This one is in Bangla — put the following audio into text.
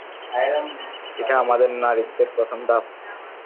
এটা আমাদের নারীত্বের প্রথম ধাপ।